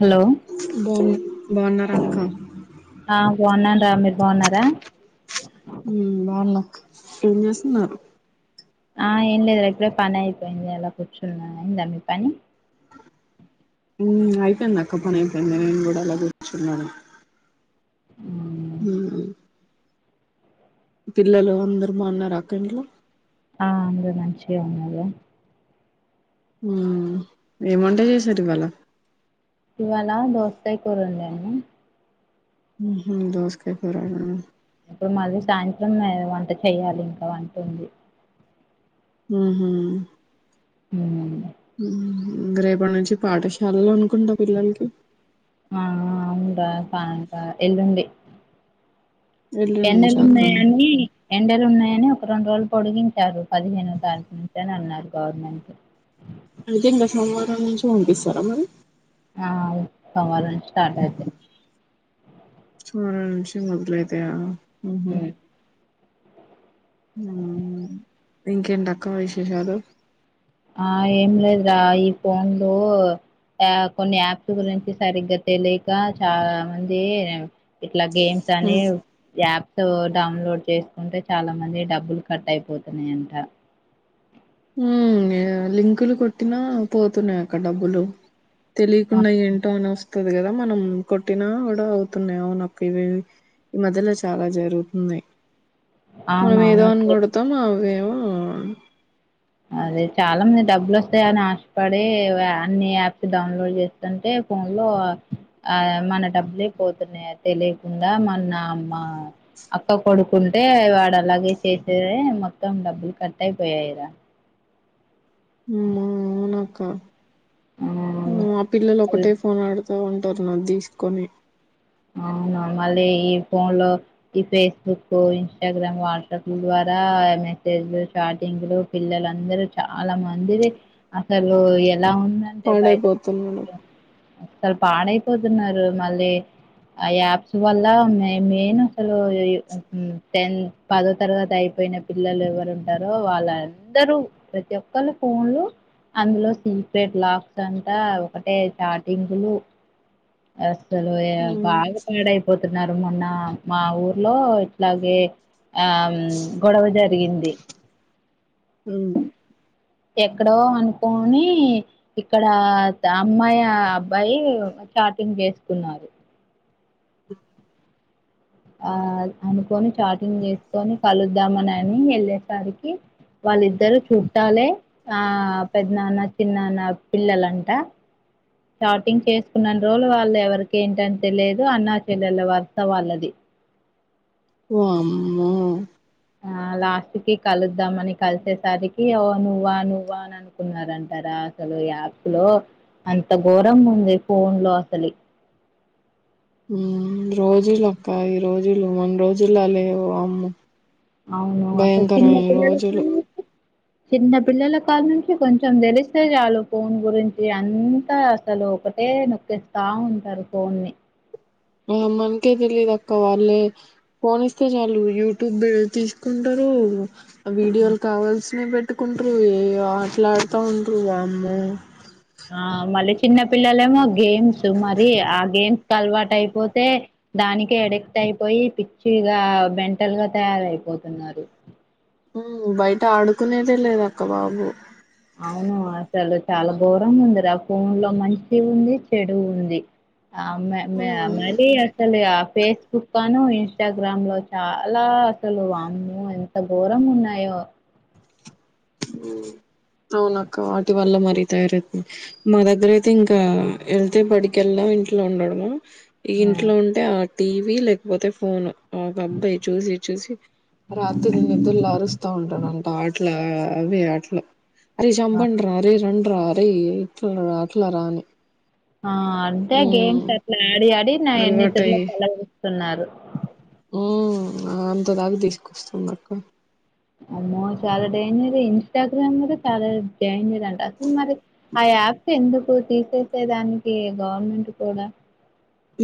Hello ఏం బావున్నారా అక్క? ఆ బావున్నారా, మీరు బావున్నారా? హు బావున్నాం. ఏం చేస్తున్నారు? ఆ ఏం లేదు ఇప్పుడే పని అయిపోయింది. అలా కూర్చున్నా అయిందా మీ పని? హు అయిపోయింది అక్క పని అయిపోయింది. నేను కూడా అలా కూర్చున్నాను. మ్మ్. ఉ పిల్లలు అందరు బావున్నార అక్క ఇంట్లో? ఆ అందురూ మంచిగానే ఉన్నారు. హు ఏం వంట చేసారు ఇవాళ? ఇవాళ దోసకాయ కూర వండాను. ఉహు దోసకాయ కూరన ఇప్పుడు మళ్ళీ సాయంత్రం మే వంట చేయాలి ఇంకా వంట ఉంది ఉహు ఉ ఇంగ రేపటి నుంచి పాఠశాలలో అనుకుంటా పిల్లలకి ఆ అవును రా పాంట ఎల్లుండి ఎల్లుండి నుంచా అక్క ఎండలున్నాయని ఎండలున్నాయని ఒక రెండు రోజులు పొడిగించారు పదిహేనో తారీఖు నుంచి అనన్నారు గవర్నమెంట్ అయితే ఇంకా సోమవారం నుంచి పంపిస్తారా మరి ఆ సోమవారం నుంచి స్టార్ట్ అయితయ్ ఉ నిమిషం మొదలైతయా ఉహు మ్మ్. ఇంకేంటక్క విశేషాలు ఆ ఏం లేదరా ఈ ఫోన్లు యా కొన్ని యాప్స్ గురించి సరిగ్గా తెలిక చాలా మంది ఇట్లా గేమ్స్ ఉమ్ అని యాప్ స్ డౌన్లోడ్ చేసుకుంటే చాలామంది డబ్బులు కట్ అయిపోతున్నాయంట ఉ లింకులు కొట్టినా పోతున్నాయి అక్క డబ్బులు ఆ! తెలికుండా ఏంటో అని వస్తది కదా మనం కొట్టినా కూడా అవుతున్నాయి అవునక్క ఇవేవి ఈ మధలో చాలా జరుగుతున్నాయ్ మనం ఏదో అవునవును అనుగొడతాం అవేమో అదే చాలా మంది డబ్బులు వస్తాయని ఆశపడి అన్ని యాప్స్ డౌన్లోడ్ చేస్తుంటే ఫోన్ లో ఆ మన డబ్బులే పోతున్నాయ తెలికుండా మన్న అమ్మ అక్క కొడుకుంటే వాడు అలాగే చేసే మొత్తం డబ్బులు కట్ అయిపోయాయిరా అవునక్క మా పిల్లలు ఒకటే అవును ఫోన్ ఆడు ఉంటారు నాదిసుకొని ఆ మళ్ళీ ఈ ఫోన్ లో ఈ ఫేస్బుక్ ఇన్స్టాగ్రామ్ వాట్సాప్ ద్వారా రా మెసేజ్లు చాటింగ్లు పిల్లలుందరూ చాలా మందిది అసలు ఇలా ఉందండి బయట పాడైపోతున్నాడు అసలు పాడైపోతున్నారు మళ్ళీ ఆ యాప్స్ వల్ల మెయిన్ అసలు టెన్ పదో తరగ తి అయిపోయిన పిల్లలు ఎవరు ఉంటారో వాళ్ళందరూ ప్రతి ఒక్కరు ఫోన్లు అందులో సీక్రెట్ లాక్స్ అంటా ఒకటే చాటింగులు అసలు హ్మ్ బాగా పాడయిపోతున్నారు డ్ మొన్న మా ఊర్లో ఇట్లాగే ఆ గొడవ జరిగింది ఉ ఎక్కడో అనుకోని ఇక్కడ అమ్మాయి అబ్బాయి చాటింగ్ చేసుకున్నారు ఆ అనుకొని చాటింగ్ చేసుకొని కలుద్దామనని ఎళ్ళేసరికి వాళ్ళిద్దరు చుట్టాలే ఆ పెద్నాన్న చిన్నాన్న పిల్లలంట చాటింగ్ చేసుకున్నన్ని రోజులు వాళ్ళు ఎవరికేంటంటే లేదు అన్నా చెల్లెల వర్స వాళ్ళది వామ్మో ఆ లాస్ట్ కి కలుద్దాంమని కలిసేసరికి ఓ నువ్వా నువ్వా అని అనుకున్నరంట అసలు యాప్ లో అంత ఘోరం ఉంది ఫోన్ లో అసలి రోజులక్కయి రోజులు మన రోజుల్ల లేవు అమ్ అవును చిన్న పిల్లల తోని చిన్న పిల్లలకా నుంచి కొంచెం తెలిస్తే చాలు ఫోన్ గురించి అంతా అసలు ఒక అంటే నొక్కేస్తా ఉంటారు ఫోన్ని ఆ మనకే తెలిదుక్క వాళ్ళే ఫోన్ ఇస్తే చాలు యూట్యూబ్ తీసుకుంటారు డూ వీడియోలు కావాల్సినవి పెట్టుకుంట్రు ఏ ఆట్లాడుతూ ఉంట్ర వామ్మో ఆ మరి చిన్న పిల్లలే ఏమో గేమ్స్ మరి ఆ గేమ్స్ అలవాటు అయిపోతే దానినికి ఎడుగుతాయి అయిపోయి పిచ్చిగా మెంటల్ గా తయారయిపోతున్నారు ఉ బయట ఆడుకునేదే లేద అక్క బాబు అవును అసలు చాలా ఘోరం ఉందిరా ఫన్ లో మంచి ఉంది చెడు ఉంది ఆ మే మే ఉమ్. మళ అసలే ఫేస్బుక్ ను ఇన్స్టాగ్రామ్ లో చాలా అసలు వామ్మో ఎంత ఘోరం ఉన్నాయో ఆ అవును అక్క వాటి వల్ల మరి తయారు మా దగ్గర అయితే ఇంకా వెళ్తే బడికెళ్దాం ఇంట్లో ఉండడమా ఈ ఆ ఇంట్లో ఉంటే ఆ టీవీ లేకపోతే ఫోన్ ఆ ఒక అబ్బాయి చూసి చూసి రాత్రి నిద్రలో అరుస్తా ఉంటారూ అంతా ఆటలా అవి ఆటలా అరే ఆ చంపండ్రా అరేయ్ రండిరా ఇట్లా రా అట్లా రా అని ఆ అంటే మ్మ్ గేమ్స్ అట్లా ఆడి ఆడి నా నిద్ద్రలో కలవిస్తున్నారు ఆ అంత దాకా తీసుకొస్తాంది అక్క అమ్మో చాలా డేంజర్ ఇన్స్టాగ్రామ్ద చాలా డేంజర్ అంటా అసలు మరి హై ట్యాప్ ఎందుకు తీసేసే దానికి గవర్నమెంట్ కూడా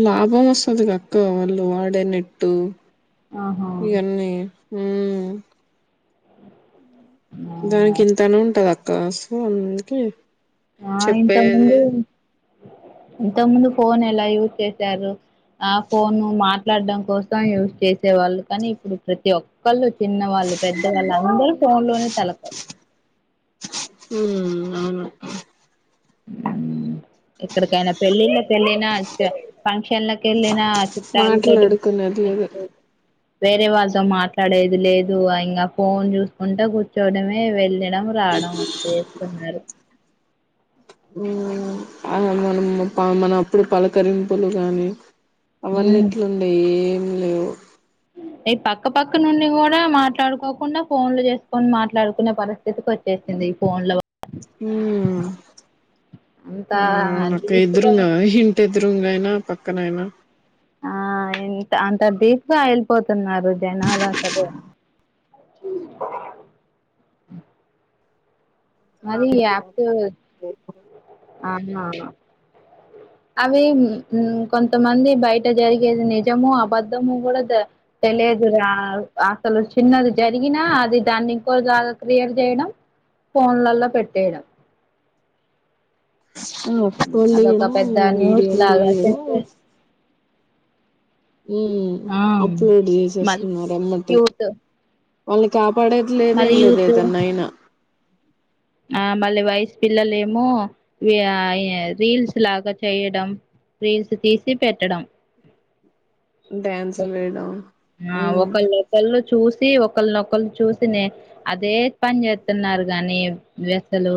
లాభం వస్తదిగా అక్క వాళ్ళు వాడే నట్టు ఆహా ఇక అన్ని ఉమ్ దానికి ఇంతనే ఉంటది అక్క సో అందుకే ఆ ఇంత చెప్పేది ముందు ఇంత ముందు ఫోన్ ఎలా యూజ్ చేశారు ఆ ఫోను మాట్లాడడం కోసం యూజ్ చేసే వాళ్ళు కానీ ఇప్పుడు ప్రతి ఒక్కళ్ళు చిన్న వాళ్ళు ళ్ పెద్దవాళ్ళు అందరూ ఫోన్ లోనే తలప ఉహ్ అవును అక్క ఇక్కడికైనా పెళ్ళిళ్ళ ళ్ళిన ఫంక్షన్ లకి వెళ్ళిన చుట్టాల తోటి మాట్లాడుకునేది లేదు కూర్చొ వేరే వాళ్ళతో మాట్లాడేది లేదు ఇంకా ఫోన్ చూసుకుంటే కూర్చోడమే వెళ్ళడం రా డం అంతే చేస్తున్నారు ఆ మనం మన అప్పుడు పలకరింపులు కాగానీ ఉమ్ అవన్నిట్లుండే ఏం లేవు ఈ పక్క పక్క నుండి కూడా మాట్లాడుకోకుండా ఫోన్లు చేసుకొని మాట్లాడుకునే పరిస్థితికి వచ్చేది వచ్చేసింది ఈ ఫోన్ లో ఉ అంత ఆ నాకు డీప్గా ఇదురుంగా ఇంటిదురుంగా అయినా పక్కనైనా ఆ ఇంత అంత దీప్గ్ వెళ్ళిపోతున్నారు జనాలు అ సరే ఉ మది యాప్ ఆనా అవి కొంతమంది బయట జరిగేది నిజము అబద్ధము కూడా తెలియ లేదు రా అసలు చిన్నది జరిగినా అది దాన్ని ఇంకో దాగా క్రియర్ చేయడం ఫోన్లళ్ళా పెట్టేడ ఆ మ్, ఫోటోలు అదొక తీయడం పెద్ద న్యూస్ వీడియోలు లాగా తీయడం చేస్తే. ఉ ఆ అప్లోడ్ మళ్ళీ చేసేస్తున్నారు ఎమ్మటే యూత్ వాళ్ళ కా పడేది లేదు ఏం మళ్ళీ లేదు యూత్ ఏదన్నా అయినా ఆ మళ్ళీ వయసు పిల్లలు ఏమో రీల్స్ లాగా చేయడం రీల్స్ తీసి పెట్టడం డ్యాన్సులు వేయడం ఆ ఉమ్ ఒక లోకల్లో చూసి ఒకల్ ఒకళ్రు చూసి అదే పని చేస్తున్నారు గాని అసలు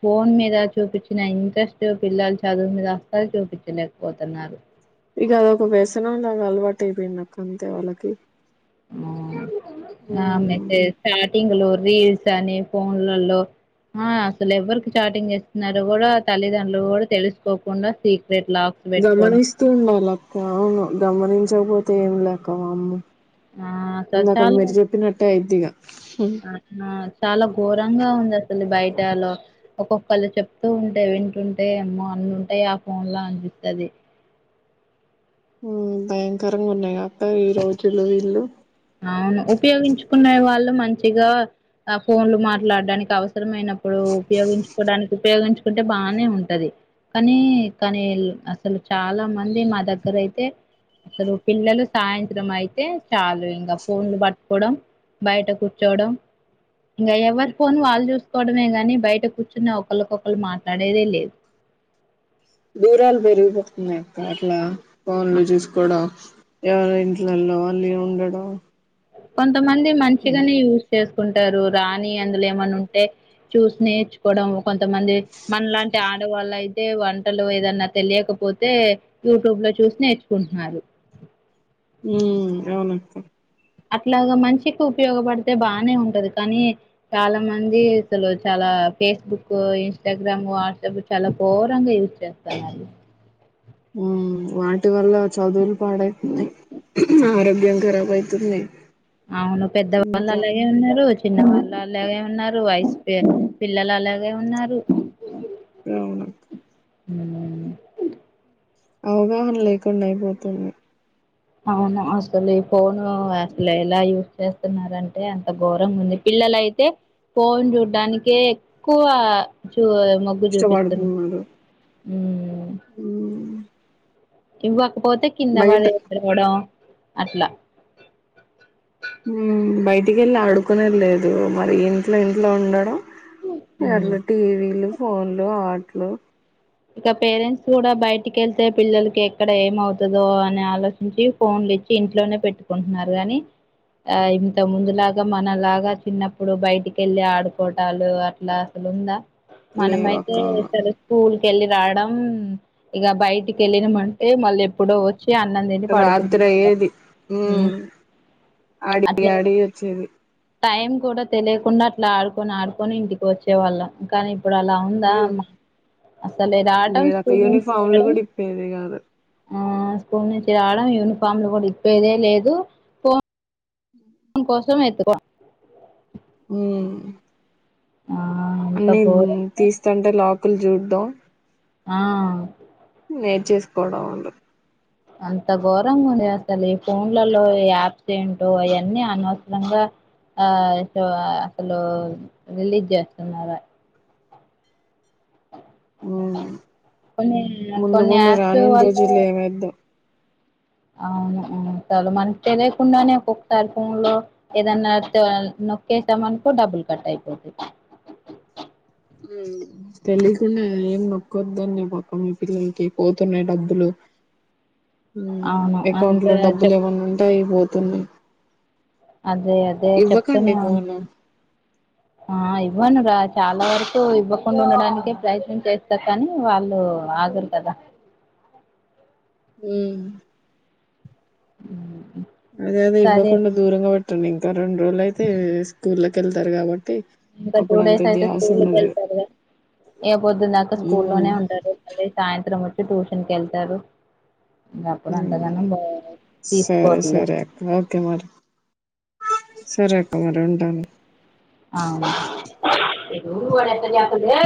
ఫోన్ మీద చూపిచ్చిన ఇంట్రెస్ట్ పిల్లల చదువు మీద అసల్ చూపించలేకపోతున్నారు ఇక అదొక వ్యసనం లాగా అలవాటు అయిపోయింది అక్క అంతే వాళ్ళకి ఆ ఉమ్ ఆమెయితే స్టార్టింగ్ లో రీల్స్ అని ఫోన్లలో ఆ అసలు ఎవ్వరికి చాటింగ్ చేస్తున్నారో కూడా తల్లిదండ్రులు కూడా తెలుసుకోకుండా సీక్రెట్ లాక్స్ పెట్టుకోవడం గమనిస్తూ ఉండాలి అక్కా అవును గమనించకపోతే ఏం లేకవా అమ్మ ఆ అసలు ఇందకా చాలా మీరు చెప్పినట్టే అయిద్దిగా ఆ ఆ చాలా ఘోరంగా ఉంది అసలు బయటలో ఒక్కొక్కలు చెప్తూ ఉంటే వింటుంటే ఏమో ఉంటయి ఆ ఫోన్ లా అనిపిత్తది భయంకరంగా ఉన్నాయి అక్క ఈ రోజులు వీళ్ళు అవును ఉపయోగించుకునే వాళ్ళు మంచిగా ఆ ఫోన్లు మాట్లాడడానికి అవసరమయినప్పుడు ఉపయోగించుకోవడానికి ఉపయోగించుకుంటే బానే ఉంటది కానీ కానీ అసలు చాలా మంది మా దగ్గర అయితే అసలు పిల్లలు సాయంత్రం అయితే చాలు ఇం ఇంగ ఫోన్లు పట్టుకోవడం బయట కూర్చోవడం ఇంగ ఎవరి ఫోన్ వాళ్ళు చూసుకోవడమే గాని బయట కూర్చున్న ఒకలికొకరు మాట్లాడేదే లేదు దూరాలు పెరిగిపోతున్నాయి అక్క అట్లా ఫోన్లు చూసుకోవడం ఎవరి ఇంట్లలో ఆల్లే ఉండడం కొంతమంది మంచిగనే యూజ్ చేస్ టారు రాని అందులో ఏమన్నా ఉంటే చూసి నేర్చుకోవడం కొంతమంది మన లాంటి ఆడవాళ్ళ వంటలు ఏదన్నా తెలియకపోతే యూట్యూబ్ లో చూసి నేర్చుకుంటున్నారు ఉ అవును అట్లాగా మంచికి ఉపయోగపడితే బానే ఉంటది కానీ చాలా మంది అసలు చాలా ఫేస్బుక్ ఇన్స్టాగ్రామ్ వాట్సాప్ చాలా ఘోరంగా యూజ్ చేస్తాన్నా వాటి వల్ల చదువులు పాడైతున్నాయి ఆరోగ్యం ఖరాబ్ అయితు తున్నయ్ అవును పెద్దవాళ్ళు అలాగే ఉన్నారు చిన్న వాళ్లు అలాగే ఉన్నారు వయసు పిల్లలు అలాగే ఉన్నారు అవును ఉ అవగాహన లేకుండా అయిపోతుంది అవును అసలు ఈ ఫోను అసలు ఎలా యూజ్ చేస్తున్నారంటే అంత ఘోరంగా ఉంది పిల్లలైతే ఫోన్ చూడ్డానికే ఎక్కువ చూ మగ్గు చూపిస్తు ఇష్టపడుతున్నారు ఊ మ్మ్ ఇవ్వకపోతే కింద వాడి బయట ఎవడ అట్లా బయటికి వెళ్ళి ఆడుకునేది లేదు మరి ఇంట్లో ఇంట్లో ఉండడం అట్లా ఉమ్. టీవీలు ఫోన్లు ఆట్లు ఇక పేరెంట్స్ కూడా బయటికి వెళ్తే పిల్లలకి ఎక్కడ ఏమవుతదో అని ఆలోచించి ఫోన్ లిచ్చి ఇంట్లోనే పెట్టుకుంటున్నారు గాని ఆ ఇంత ముందులాగా మనలాగా చిన్నప్పుడు బయటికి వెళ్ళి ఆడుకోవటాలు అట్లా ఉందా మన లేవు అయితే అక్క స్కూల్ కెళ్ళి రాడం ఇగ బయటికి వెళ్ళినం అంటే మళ్ళీ ఎప్పుడో వ రాత్రి అయ్యేది ఉ ఉమ్ ఆడి అట్లా ఆడి వచ్చేది టైం కూడా తెలియకుండా అట్లా ఆడుకొని ఆడుకొని ఇంటికి వచ్చేవాళ్ళం కానీ ఇప్పుడు అలా ఉందా యు అసలు రాటం లేదక్క స్కూల్ నుండి యూనిఫామ్లు రాడం కూడా ఇప్పేది కాదు ఆ స్కూల్ నుంచి రావడం యూనిఫామ్లు కూడా ఇప్పేదే లేదు ఫోన్ న్ కోసం ఎత్తుకో ఊ ఆ అంత అన్ని ఘోరం తీస్తంటే లాకులు చూడ్డం ఆ నేర్చేసుకోడం వాళ్ళు అంత ఘోరంగా ఉంది అసలు ఈ ఫోన్లలో యాప్స్ ఏంటో అయన్నీ అనవసరంగా ఆ అసలు రిలీజ్ చేస్తున్నారు కొన్ని ముందు కొన్ని ముందు యాప్స్ రానున్న వల్ల రోజులు ఏమైద్దో అవును అవును చ మనకు తెలియకుండానే ఒక్కక్క సారి ఫోన్ లో ఏదన్నా త నొక్కేసాంనుకో డబ్బుల్ కట్ అయిపోతయ్ తెలియకుండా ఏం నొక్కొద్దంన్ని చెప్పక్క మీ పిల్లలకి పోతున్నాయి డబ్బులు అవును అకౌంట్ అంత లో డబ్బులు చెప్ ఏమన్నా ఉంటె అయి పోతున్నాయి అదే అదే చెప్తూనే ఇవ్వకండి ఉంట ఫోను ఆ ఇప్ ఇవ్వను రా చాలా వరకు ఇవ్వకుండా ఉండడానినికె ప్రయత్నం చేస్త కానీ వాళ్ళు ఆగరు కదా అ ఉ ఉ అదే అదే ఇవ్వకుండా దూరంగా పెట్టండి ఇంకా రెండు రోజులు అయితే స్కూల్ల్లోకి వెళ్తారు కాబ ఇంకా టూ డైస్ అయితే స్కూల్ వెళ్తారుగా ఇగ పోద్దున దాకా మ్మ్ స్కూలోనే ఉంటారు మళ్ళీ సాయంత్రం వచ్చి ట్యూషన్ కెళ్తారు సరే తీసుకోవట్లే సరే ఓకే మరి సరే అక్క మరి ఉంటాను ఎవడు వాడు ఎక్కడ చెత్తుంది లే